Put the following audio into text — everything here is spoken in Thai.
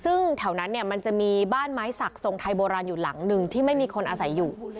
ซึ่งแถวนั้นเนี่ยมันจะมีบ้านไม้สักทรงไทยโบราณอยู่หลังหนึ่งที่ไม่มีคนอาศัยอยู่